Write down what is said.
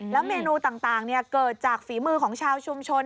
เมนูต่างเกิดจากฝีมือของชาวชุมชน